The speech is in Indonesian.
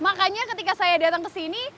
makanya ketika saya datang ke sini